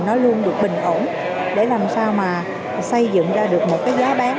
nó luôn được bình ổn để làm sao mà xây dựng ra được một cái giá bán